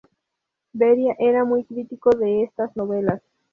Beria fue muy crítico de estas novelas.